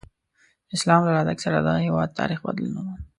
د اسلام له راتګ سره د دغه هېواد تاریخ بدلون وموند.